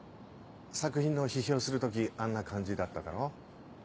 作品の批評する時あんな感じだっただろ？